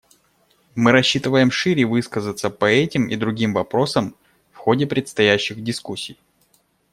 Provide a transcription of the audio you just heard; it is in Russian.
Мы рассчитываем шире высказаться по этим и другим вопросам в ходе предстоящих дискуссий.